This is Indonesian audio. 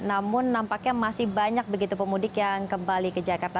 namun nampaknya masih banyak begitu pemudik yang kembali ke jakarta